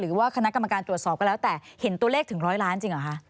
หรือว่าคณะกรรมการตรวจสอบก็แล้วแต่เห็นตัวเลขถึงร้อยล้านจริงเหรอคะ